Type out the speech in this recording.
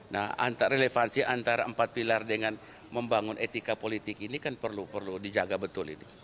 nah antara relevansi antara empat pilar dengan membangun etika politik ini kan perlu dijaga betul ini